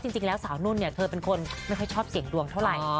จริงแล้วสาวนุ่นเนี่ยเธอเป็นคนไม่ค่อยชอบเสี่ยงดวงเท่าไหร่